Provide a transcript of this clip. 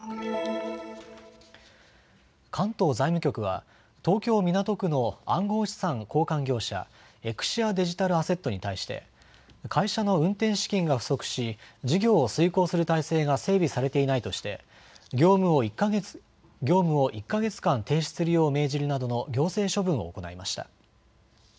関東財務局は東京港区の暗号資産交換業者、エクシア・デジタル・アセットに対して会社の運転資金が不足し事業を遂行する体制が整備されていないとして業務を１か月間停止するよう命じるなどの行政処分を行いました。